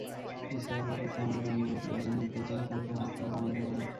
ইসরায়েলের প্রতি আমাদের অনুরোধ, গাজার নির্দোষ জনগণকে হত্যা করা বন্ধ করো।